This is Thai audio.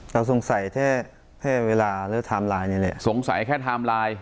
สงสัยแค่แค่เวลาหรือไทม์ไลน์นี่แหละสงสัยแค่ไทม์ไลน์